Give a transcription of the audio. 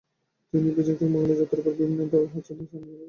তিনি বেজিং থেকে মঙ্গোলিয়া যাত্রা করে বিভিন্ন স্থানে ধর্মশিক্ষা প্রদান করেন।